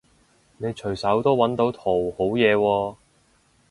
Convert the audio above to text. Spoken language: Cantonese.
你隨手都搵到圖好嘢喎